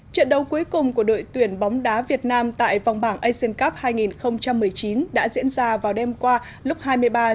trận đấu cuối cùng của đội tuyển bóng đá việt nam tại vòng bảng asian cup hai nghìn một mươi chín đã diễn ra vào đêm qua lúc hai mươi ba h